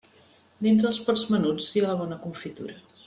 Dins els pots menuts hi ha la bona confitura.